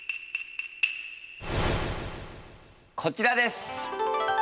こちらです。